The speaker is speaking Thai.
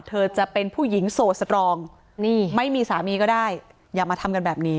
จะเป็นผู้หญิงโสดสตรองนี่ไม่มีสามีก็ได้อย่ามาทำกันแบบนี้